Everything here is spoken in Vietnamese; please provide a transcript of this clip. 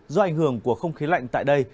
do ảnh hưởng của không khí lạnh tại đây